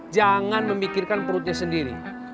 jangan memikirkan perutnya sendiri